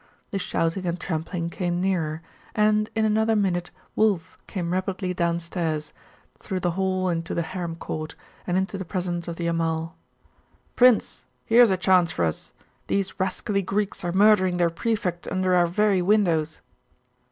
The shouting and trampling came nearer; and in another minute Wulf came rapidly downstairs, through the hall into the harem court, and into the presence of the Amal. 'Prince here is a chance for us. These rascally Greeks are murdering their Prefect under our very windows.